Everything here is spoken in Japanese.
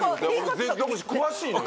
詳しいのよ